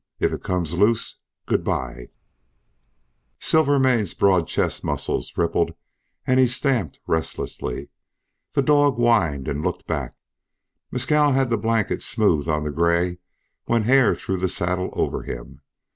If it comes loose Good bye!" Silvermane's broad chest muscles rippled and he stamped restlessly. The dog whined and looked back. Mescal had the blanket smooth on the gray when Hare threw the saddle over him.